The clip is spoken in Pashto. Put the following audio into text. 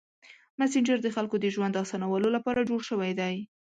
مسېنجر د خلکو د ژوند اسانولو لپاره جوړ شوی دی.